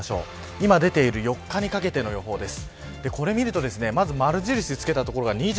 今、出ている４日にかけての予報です。